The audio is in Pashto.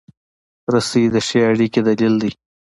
رسۍ د ښې اړیکې دلیل دی.